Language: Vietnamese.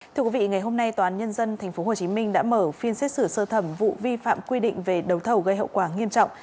thưa quý vị ngày hôm nay toán nhân dân tp hcm đã mở phiên xét xử sơ thẩm vụ vi phạm quy định về đấu thầu gây hậu quả nghiêm trọng